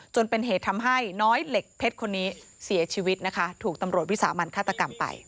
จนเป็นเหตุทำให้น้อยเหล็กเพชรคนนี้เสียชีวิตนะคะถูกตำรวจวิสามันฆาตกรรมไป